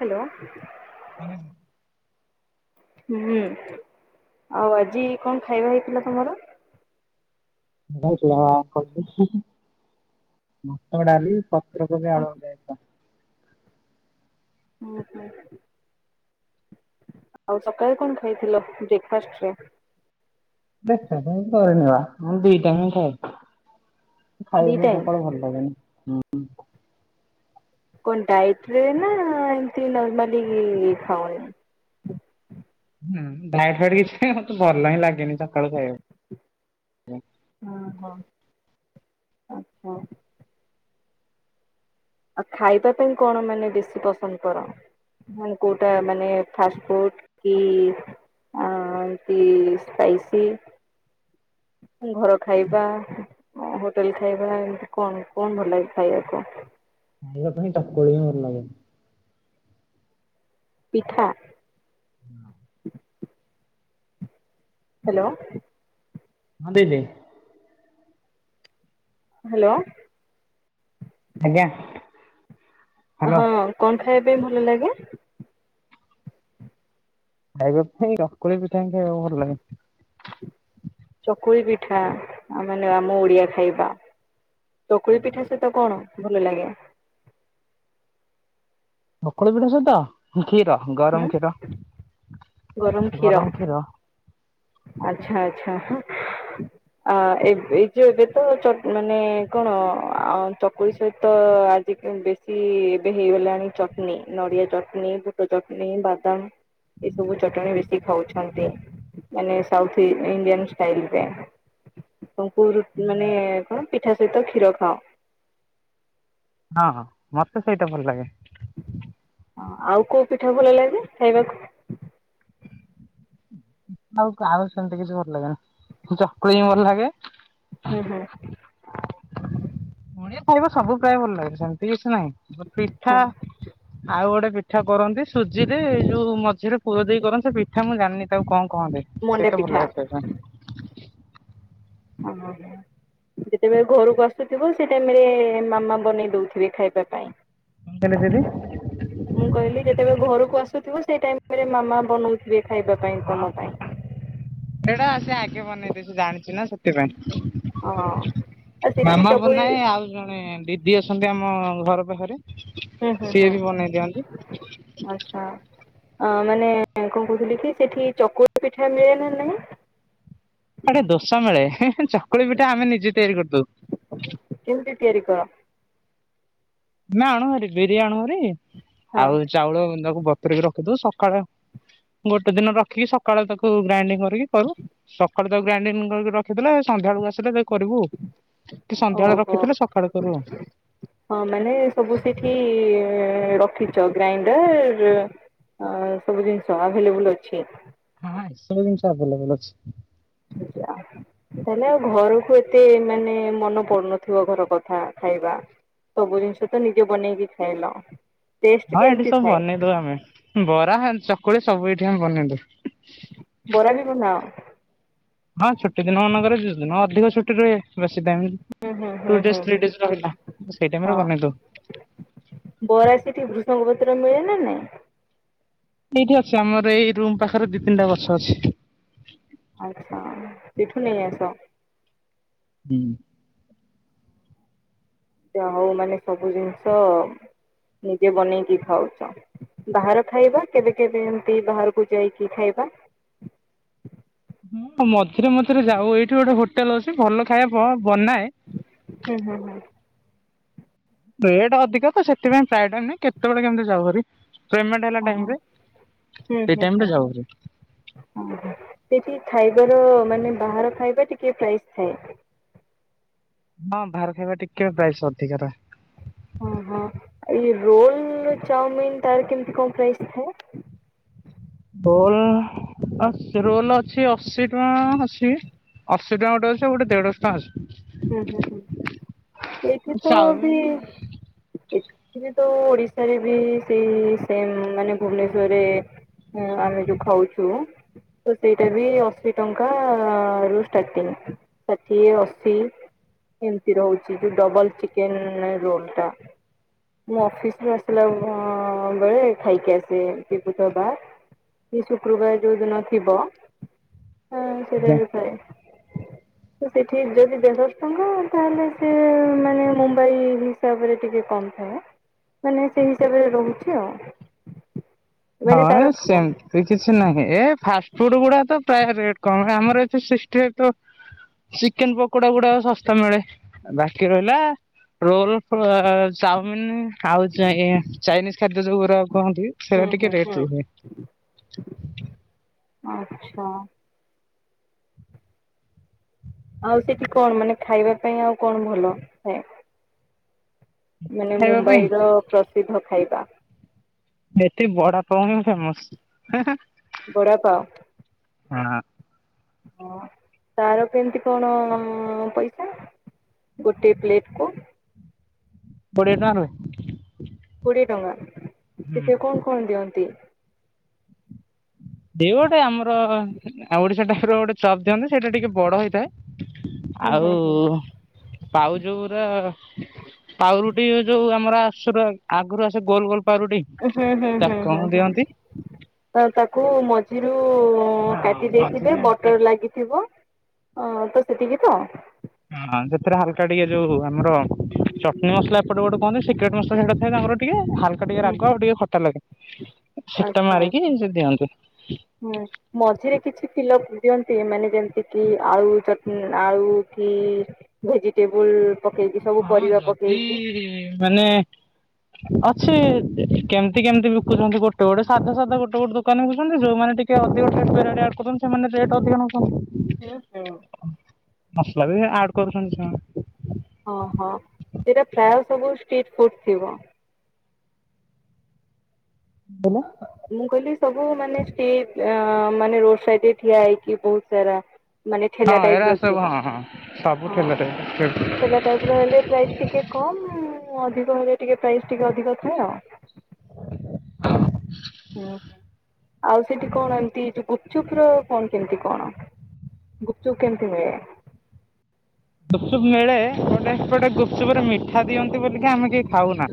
Hello. ହଁ ଦିଦି। ହୁଁ ଆଉ ଆଜି କଣ ଖାଇବା ହେଇଥିଲା ତମର? ହେଇଥିଲା [unintelligible] ଭାତଡାଲି ପତ୍ର କୋବି ହୁଁ ଆଳୁ ଭଜା ହେଇଥିଲା। ଉଁ ହୁଁ। ଆଉ ସକାଳେ କଣ ଖାଇଥିଲ ବ୍ରେକ୍ ଫାଷ୍ଟରେ? ବ୍ରେକ୍ ଫାଷ୍ଟ୍ ମୁଁ କରେନିବା ମୁଁ ଦି ଟାଇମ୍ ଖାଏ ଦି ଖାଇବା ପାଇଁ ଟାଇମ୍? ସକାଳୁ ଭଲ [unintelligible] ଉଁ ହୁଁ। କଣ ଡାଇଟ୍ରେନା ଏମିତି ନର୍ମାଲି ଖାଓନି? ହୁଁ ଡାଇଟ୍ ଫାଇଟ୍ କିଛି ନାହିଁ ମତେ ଭଲହିଁ ଲାଗେନି ସକାଳୁ ଖାଇବାକୁ। ଓହୋ ଆଚ୍ଛା। ଆଉ ଖାଇବା ପାଇଁ କଣ ମାନେ ବେଶୀ ପସନ୍ଦ କର? ମାନେ କୋଉଟା ମାନେ ଫାଷ୍ଟଫୁଡ୍ କି ଆ ଏମିତି ସ୍ପାଇସି? ଘର ଖାଇବା, ଅ ହୋଟେଲ ଖାଇବା, ଏମିତି କଣ କଣ ଭଲ ଲାଗେ ଖାଇବାକୁ? ଖାଇବା ପାଇଁ ଚକୁଳି ହିଁ ଭଲ ଲାଗେ। ପିଠା? [unintelligible] ହାଲୋ। ହଁ ଦିଦି। ହାଲୋ। ଆଜ୍ଞା। ହ୍ୟାଲୋ ହଁ କଣ ଖାଇବା ପାଇଁ ଭଲ ଲାଗେ? ଖାଇବା ପାଇଁ କାକୁଳି ପିଠାହିଁ ଖାଇବାକୁ ଭଲ ଲାଗେ। ଚକୁଳି ପିଠା ମାନେ ଆମ ଓଡିଆ ଖାଇବା ଚକୁଳି ପିଠା ସେତ ତ କଣ ଭଲ ଲାଗେ? ଚକୁଳି ପିଠା ସହି଼ତ କ୍ଷୀର ଗରମ ହୁଁ? କ୍ଷୀର, ଗରମ କ୍ଷୀର। ଆଛା ଆଛା ଏଇ ଯଉ ଏବେ ତ ମାନେ କଣ ଚକୁଳି ସହିତ ଆ ବେଶୀ ଏବେ ହେଇଗଲାଣି ଚଟଣିୀ, ନଡିଆ ଚଟନୀ, ବୁଟ ଚଟଣି ବାଦାମ ଏ ସବୁ ଚଟଣି ବେଶୀ ଖାଉଛନ୍ତି। ମାନେ ସାଉଥ ଇଣ୍ଡିଆନ୍ ଷ୍ଟାଇଲ୍ ରେ ଙ୍କୁ ମାନେ କଣ? ପିଠା ସହିତ କ୍ଷୀର ଖାଅ। ହଁ, ହଁ ମତେ ସେଇଟା ଭଲ ଲାଗେ। ହଁ, ଆଉ କୋଉ ପିଠା ଭଲ ଲାଗେେ ଖାଇବାକୁ? ଆଉ ଆଉ ସେମତି କିଛି ଭଲ ଲାଗେନା ହଉ ଚକୁଳି ବି ଭଲ ଲାଗେ। ହୁଁ, ହୁଁ। ମୁଣିଆ ଖାଇବା ସବୁ ପ୍ରାୟ ଭଲ ଲାଗେ ସେମତି କିଛି ନାହିଁ ପିଠା ହଁ ଆଉ ଗୋଟେ ପିଠା କରନ୍ତି ସୁଜିରେ ଯୋଉ ମଝିରେ ପୁର ଦେଇ କରନ୍ତି ସେ ପିଠା ମୁଁ ଜାଣିନିି ତାକୁ କଣ କହନ୍ତେ ମଣ୍ଡା ସେଇଟା ଭଲ ପିଠା ଲାଗେ ଖାଇବା। ଓହୋ ଯେତେବେଳେ ଘରକୁ ଆସୁଥିବ ସେ ଟାଇମ୍ ରେ ମାମା ବନେଇ ଦଉଥିବେ ଖାଇବା ପାଇଁ। [unintelligible] ମୁଁ କହିଲି ଯେତେବେଳେ ଘରକୁ ଆସୁଥିବ ସେଇ ଟାଇମ୍ ରେ ମାମା ବନଉଥିବେ ଖାଇବାକୁ। ହଁ, ସେଇଟା ସେ ଆଗେ ବନେଇଦ ସେ ଜାଣିଛିୁ ନା ସେ ହଁ ସେଥିପାଇଁ ଆଉ ସେଠି ମାମା ଚକୁଳି ବନାଏ ଆଉ ଜଣେ ଦିଦି ଅଛନ୍ତି ଆମ ଘର ପାଖରେ ହୁଁ, ହୁଁ, ସିଏ ବି ବନେଇ ଦିଅନ୍ତି ହୁଁ ଆଚ୍ଛା ଆ ମାନେ କଣ କହୁଥିଲି କି ସେଠି ଚକୁଳି ପିଠା ମିଳେ ନା ନାଇଁ। ସେଥି ଦୋଷା ମିଳେ [unintelligible] ଚକୁଳି ପିଠା ଆମେ ନିଜେ ତିଆରି କରିଦଉୁ। କେମିତି ତିଆରି କର? ନା ଆଣୁ ହାରି ବିରି ଆଣୁ ହାରି ହଁ ଆଉ ଚାଉଳ ତାକୁ ବତରିକି ରଖିଦଉ ସକାଳେ ଗୋଟେ ଦିନ ରଖିକି ସକାଳେ ତାକୁ ଗ୍ରାଇଣ୍ଡିଙ୍ଗ କରି ସକାଳୁ ତାକୁ ଗ୍ରାଇଣ୍ଡିଂ କରିକି ରଖି ଦେଲେ ସନ୍ଧ୍ୟାବେଳକୁ ଆସିଲେ ତାକୁ କହିବୁ କରିବୁ କି ସନ୍ଧ୍ୟାବେଳେ ଓହୋ। ରଖିଥିଲେ ସକାଳେ କରୁ। ହଁ, ମାନେ ସବୁ ସେଠି ରଖିଛ ଗ୍ରାଇଣ୍ଡର ଅ ସବୁ ଜିନିଷ ଆଭେଲେବୁଲ ଅଛି। ହଁ, ସବୁ ଜିନିଷ ଆଭେଲେବଲ୍ ଅଛି। ଆଜ୍ଞା ତାହେଲେ ଆଉ ଘରକୁ ଏତେ ମାନେ ମନେ ପଡୁନଥିବ ଘର କଥା ଖାଇବା ସବୁ ଜିନିଷ ତ ନିଜେ ବନେଇକି ଖାଇଲ। ଟେଷ୍ଟ ହଁ, ଏଠି କେମିତି ସବୁ ଥାଏ ବନେଇଦଉ ଆମେ ବରା ଚକୁଳି ସବୁ ଏଇଠି ଆମେ ବନେଇ ଦଉ। ବୋରା ବି ବନାଅ। ହଁ, ଛୁଟି ଦିନ ମାନଙ୍କରେ ଯୋଉ ହଁ ଅଧିକ ଦିନ ଅଧିକ ଛୁଟି ରହେ ବେଶୀ ଟାଇମ୍ ହୁଁ ହୁଁ ହୁଁ ଟୁ ହୁଁ ଡେଜ ଥ୍ରି ହୁଁ। ଡେଜ ରହିଲା ସେଇ ଟାଇମରେ ହଁ ବନେଇ ଦଉ। ବରା ସେୀଠି ଭୃଷଙ୍ଗ ପତ୍ର ମିଳେ ନା ନାଇଁ। ଏଇଠି ଅଛି ଆମର ଏଇ ରୁମ ପାଖରେ ଦି ତିନିଟା ଗଛ ଅଛି। ଆଚ୍ଛା ସେଠୁ ନେଇ ଆସ। ହୁଁ। ଯାହଉ ମାନେ ସବୁ ଜିନିଷ ନିଜେ ବନେଇକି ଖାଉଚ। ବାହାର ଖାଇବା କେବେ କେବେ ଏମତି ବାହାରକୁ ଯାଇକି ଖାଇବା। ହଁ ମଝିରେ ମଝିରେ ଯାଉ ଏଇଠି ଗୋଟେ ହୋଟେଲ ଅଛି ଭଲ ଖାଇବା ବନାଏ ହୁଁ ହୁଁ ହୁଁ। ରେଟ୍ ଅଧିକ ତ ସେଥିପାଇଁ ଫ୍ରଏ ଟାଇମ୍ ନାଇଁ କେତେବେଳେ କେମିତି ଯାଉ ଭାରି। ପେମେଟ୍ ହେଲା ହଁ। ଟାଇମରେ ହୁଁ ସେ ହୁଁ ହୁଁ। ଟାଇମରେ ଯାଉ। ଓହୋ ସେଠି ଖାଇବାର ମାନେ ବାହାର ଖାଇବା ଟିକେ ପ୍ରାଇସ୍ ଥାଏ। ହଁ ବାହାର ଖାଇବା ଟିକେ ପ୍ରାଇସ୍‌ ଅଧିକା ରହେ। ହଁ ହଁ ଏ ରୋଲ ଚଉମିିନ ତାର କେମିତି କଣ ପ୍ରାଇସ ଥାଏ? ରୋଲ ରୋଲ ଅଛି ଅଶୀ ଟଙ୍କା ଅଛି। ଅଶହ ଟଙ୍କା ଗଟେ ଅଛ ଗୋଟେ ଦେଢ଼ଶହ ଟଙ୍କା ଅଛି। ହୁଁ ହୁଁ ହୁଁ ଏଠି ତ ବି ଚାଉମିନ୍ ଏଥିରେ ତ ଓଡିଶାରେ ବି ସେଇ ସେମ୍ ମାନେ ଭୁବନେଶ୍ରରେ ଆମେ ଯୋଉ ଖାଉଛୁ ତ ସେଇଟା ବି ଅଶୀ ଟଙ୍କା ରୁ ଷ୍ଟାର୍ଟିଂ ଷାଠିଏ ଅଶୀ ଏମିତି ରହୁଛି ଯୋଉ ଡବଲ ଚିକେନ ରୋଲ ଟା? ମୁଁ ଅଫିସ ରୁ ଆସିଲା ବେଳେ ଖାଇକି ଆସେ ଟିପି ଟବା। ସେ ଶୁକ୍ରବାର ଯୋଉ ଦିନ ଥିବ ହଁ ସେଇଟା ବିଥାଏ ତ ସେଠିକ ଯଦି ଦେଡଶ ହ ତାହଲେ ସେ ମାନେ ମୁମ୍ବାଇ ହିସାବରେ ଟିକେ କମ ଥାଏ। ମାନେ ସେଇ ହିସାବରେ ରହୁଛି ଆଉ। ମାନେ ହଁ ତାର ହୁଁ ସେମତି। ଏ କିଛି ନାହିଁ ଏ ଫାଷ୍ଟଫୁଡ ଗୁଡା ତ ପ୍ରାୟ ରେଟ କମ ଆମର ଏଠି ସୃଷ୍ଟି ତ ଚିକେନ ପକୋଡା ଗୁଡାକ ଶସ୍ତା ମିଳେ। ବାକି ରହିଲା ରୋଲ ଫ ଚାଉମିିନ ଆଉ ଚାଇନିଜ ଖାଦ୍ୟ ଯୋଉ ଗୁରା କୁହନ୍ତି ହୁଁ ସେଇଟା ଟିକେ ରେଟ ହୁଁ ରୁହେ ହ ଆଛା। ଆଉ ସେଠି କଣ ମାନେ ଖାଇବା ପାଇଁ ଆଉ କଣ ଭଲ ସେଏ ମାନେ ଖାଇବା ପାଇଁ ମୁମ୍ବାଇ ର ପ୍ରସିଦ୍ଧ ଖାଇବା। ଏଠେ ବଡା ପାଉଣିୀ ଫେମସ ହେ ହେ। ବଡାପଓ ପ୍ରଣାମ୍। ହଁ ତାର କେମିତି କଣ ପଇସା? ଗୋଟେ ପ୍ଲେଟ କୁ କୋଡ଼ିଏ ଟଙ୍କା ରହେ। କୋଡିଏ ଟଙ୍କା ହୁଁ ସେଥିରେ କଣ କଣ ଦିଅନ୍ତି। ଦ ଗୋଟେ ଆମର ଓଡିଶା ଟାଇପ ଗୋଟେ ଚପ୍ ଦିଅନ୍ତି ସେଇଟା ଟିକେ ବଡ ହେଇଥାଏ। ହୁଁ ଆଉ ହୁଁ ହୁଁ। ପାଉଜୁ ଉରା ପାଉରୁଟି ଯୋଉ ଆମର ଆ ଆଗରୁ ଆସେ ଗୋଲ ଗୋଲ ପାଉାରୁଟି ହୁଁ ହୁଁ ହୁଁ ହୁଁ ହୁଁ। ତ ତାକୁ ମଝିରୁ କାଟି ଦେଇେଇଥିବେ ମଝିରେ ବଟର ଲାଗିଥିବ ଅ ତ ସେତିିକି ତ ହଁ ସେଥିରେ ହାଲକା ଟିକେ ଯୋଉ ଆମର ଚଟଣିୀ ମସଲା ଏପଟେ ଗୋଟେ କୁହନ୍ତି ସିକ୍ରେଟ ମସଲା ତ ସେଟା ଥାଏ ତାଙ୍କର ଟିକେ ହାଲକା ଟିକେ ରାଗ ଆଉ ଟିକେ ଖଟା ଲାଗେ ଶୀତ ଆଚ୍ଛା ମାରିକି ଆଚ୍ଛା ସେ ଦିଅନ୍ତି। ହୁଁ। ମଝିରେ କିଛି ଫିଲଅପ ଦିଅନ୍ତି ମାନେ ଯେମିତି କି ଆଳୁ ଚଟ ଆଳୁ କି ଭେଜିଟେବୁଲ ପକେଇକି ସବୁ ହଁ ପରିବା ଯଦି ପକେଇକି ମାନେ ଅଛେ କେମିତି କେମିତି ବିକୁଚନ୍ତି ଗୋଟେ ଗୋଟେ ସାଧା ସାଧା ଗୋଟେ ଗୋଟେ ଦୋ ଦୋକାନ କହୁଚନ୍ତି ଯୋଉମାନେ ଟିକେ ଅଧିକୁଚନ୍ତି ସେମାନେ ଅଧିକ ନଉଚନ୍ତି। ହୁଁ ହୁଁ। ମସଲା ବି ଆଡ୍ କରୁଚନ୍ତି ସେ। ଓହୋ ସେଟା ପ୍ରାୟ ସବୁ ଷ୍ଟିଟ ଫୁଡ ଥିବ? [unintelligible] ମୁଁ କହିଲି ସବୁ ମାନେ ଷ୍ଟିଟ ମାନେ ରୋଡ ସାଇଡ ଠିଆ ହେଇକି ବହୁତ ସାରା ମାନେ ଠେଲା ହଁ ଟାଇପ ଏରା ର ସବୁ ଥିବ। ହଁ ହଁ ସବୁ ହଁ ଠେଲାରେ ଠେ ଟାଇପ ର ହେଲେ ପ୍ରାଇସ୍ ଟିକେ କମ୍ ଅଧିକ ହେଲେ ଟିକେ ପ୍ରାଇସ୍ ଟିକେ ଅଧିକ ଥାଏ ଆଉ। ହ ହୁଁ ହୁଁ। ଆଉ ସେଠି କଣ ଏମିତି ଯଉ ଗୁଚୁପର କଣ କେମିତି କଣ? ଗୁପଚୁ କେମିତି ମିଳେ? ଗୁପସୁପ ମିଳେ ଗୋଟେ ହେପଟେ ଗୁପଚୁପ ରେ ମିଠା ଦିଅନ୍ତି ବୋଲିକି ଆମେ କେହି ଖାଉନା।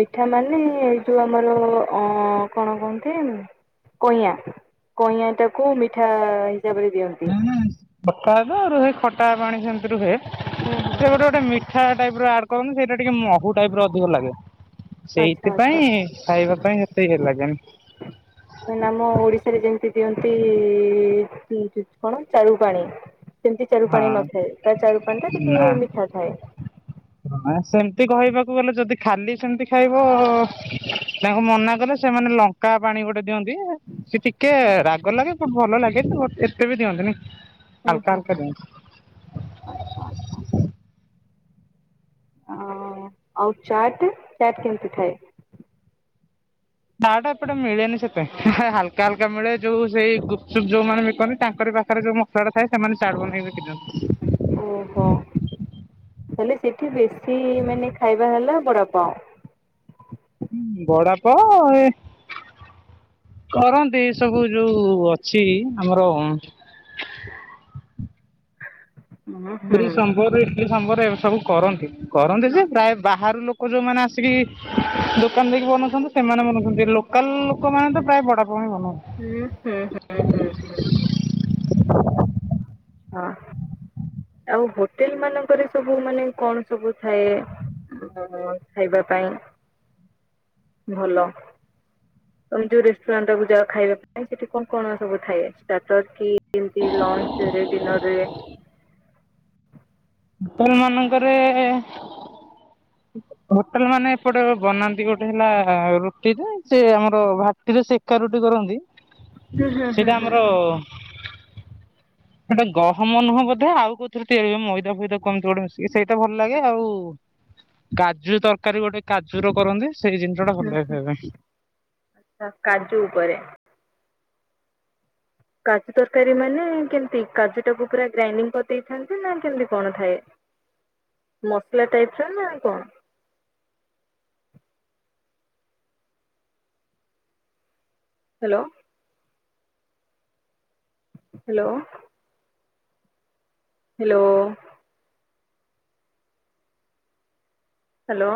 ମିଠା ମାନେ ଏଇ ଯୋଉ ଆମର ଅ କଣ କହନ୍ତି? କଇଁଆଁ କଇଁଆଁ ଟାକୁ ମିଠା ହିସାବରେ ଦିଅନ୍ତି। ବର୍ତା ତଉ ରୁହେ ଖଟା ପାଣି ସେମିତି ରୁହେ। ହୁଁ ହୁଁ ସେ ଗୋଟେ ହୁଁ। ଗୋଟେ ମିଠା ଟାଇପ ର ଆଡ କରନ୍ତୁ ସେଇଟା ଟିକେ ମହୁ ଟାଇପ ଅଧିକ ଲାଗେ ଆଚ୍ଛା ଆଚ୍ଛା। ସେଇଥିପାଇଁ ଖାଇବା ପାଇଁ ସେତେ ଇ ଲାଗେନି। ନି ଆମ ଓଡିଶାରେ ଯେମିତି ଦିଅନ୍ତି କଣ ଚାରୁୁ ପାଣି। ସେମିତି ଚାରୁ ହଁ ପାଣି ନଥାଏ ତା ଚାରୁ ପାଣି ଟା ଟିକେ ନା ମିଠା ଥାଏ। ସେମିତି କହିବାକୁ ଗଲେ ଯଦି ଖାଲି ସେମତି ଖାଇବ ତାଙ୍କୁ ମନା କଲେ ସେମାନେ ଲ ଙ୍କା ପାଣି ଗୋଟେ ଦିଅନ୍ତି ସେ ଟିକେ ରାଗ ଲାଗେ ବଟ ଭଲ ଲାଗେ। ସେ ବି ଦଆନ୍ତିନିି। ହୁଁ ହୁଁ ହୁଁ ଆଛା ଆଚ୍ଛା। ଓ ଆଉ ଚାଟ ଚାଟ କେମିତି ଥାଏ? ତାଟା ଏପଟେ ମିଳେନି ସେତେ ହାଲକା ହାଲକା ମିଳେ ଯୋଉ ସେଇ ଗୁପୁପ୍ ଯୋଉମାନୋନ ବିକନ୍ତି ତାଙ୍କରି ପାଖରେ ଯୋଉ [unintelligible] ଥାଏ ସେମାନେ ଚାଟ ବନେଇକି ବିକି ଦିଅନ୍ତି। ଓହୋ। ହେଲେ ସେଠି ବେଶୀ ମାନେ ଖାଇବା ହେଲା ବଡପଁ ବଡାପାଓ ଏ କରନ୍ତି ଏ ସବୁ ଯୋଉ ଅଛି ଆମର ହୁଁ ହୁଁ। ପୁରୀ ସମ୍ବର ଇଡଲି ସମ୍ବର ଏବେ ସବୁ କରନ୍ତି କରନ୍ତି। କରନ୍ତି ଯେ ଓହୋ। ପ୍ରାୟ ବାହାରୁ ଲୋକ ଯେଉଁମାନେ ଆସିକି ଦୋକାନ ଦେଇକି ବନଉଚନ୍ତି ସେମାନେ ବେନୋଉଚନ୍ତି ଲୋକାଲ ଲୋକମାନୋନେ ତ ପ୍ରାୟ ବଡ ପଣ ହ ବନାଉଚନ୍ତି। ହୁଁ ହୁଁ ହୁଁ ହୁଁଁ। ହଁ ଆଉ ହୋଟେଲ ମାନଙ୍କରେ ସବୁ ମାନେ କଣ ସବୁ ଥାଏ ଓ ଖାଇବା ପାଇଁ ଭଲ। ତମେ ଯୋଉ ରେଷ୍ଟୁରାଣ୍ଟ କୁ ଯା ଖାଇବା ପାଇଁ ସେଠି କଣ କଣ ସବୁ ଥାଏ ଷ୍ଟାର୍ଟର କିମତି ଲଞ୍ଚ ଡିନର ରେ [unintelligible] ମାନଙ୍କରେ ହୋଟେଲ ମାନେ ଏପଟେ ବନାନ୍ତି ଗୋଟେ ହେଲା ରୁଟିରେ ସେ ଆମର ଭା ଟିକେ ସେକା ରୁଟି କରନ୍ତି। ହଁ ସେଇଟା ଆମର ସେଇଟା ଗହମ ନୁହଁ ବୋଧେ ଆଉ କୋଉଥିରେ ତିଆରି ମଇ ଫଦ କମିତି କୋଡେ ମିଶିକି ସେଇଟା ଭଲ ଲାଗେ ଆଉ କାଜୁ ତରକାରୀ ଗୋଟେ କାଜୁର ର କରନ୍ତି ସେଇ ଜିନି ହ ହ ଆଛା କାଜୁ ଉପରେ କାଜୁ ତରକାରୀ ମାନେ କେମିତି କାଜୁ ଟାକୁ ପୁରା ଗ୍ରାଇଣ୍ଡିଙ୍ଗ କରିଦେଇଥାନ୍ତି ନା କେମିତି କଣ ଥାଏ? ମସଲା ଟାଇପର, ନା କଣ? ହାଲୋ। ହାଲୋ। ହାଲୋ। ହାଲୋ।